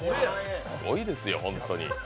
すごいですよ、ホントに。